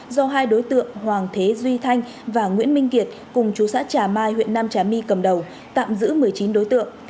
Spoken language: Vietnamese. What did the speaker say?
do hai đối tượng hoàng thế duy thanh và nguyễn minh kiệt cùng chú xã trà mai huyện nam trà my cầm đầu tạm giữ một mươi chín đối tượng